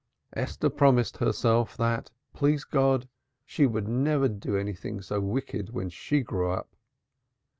Esther promised herself that, please God, she would never do anything so wicked when she grew up.